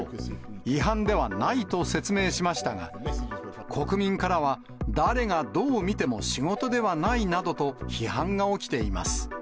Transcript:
違反ではないと説明しましたが、国民からは誰がどう見ても仕事ではないなどと批判が起きています。